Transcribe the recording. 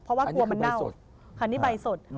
เพราะว่ากลัวมันเน่าคนนี้ใบสดค่ะครับตาสด